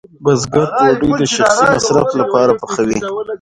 بزګر ډوډۍ د شخصي مصرف لپاره پخوي.